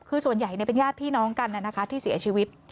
คือส่วนใหญ่เป็นญาติพี่น้องกันที่เสียชีวิต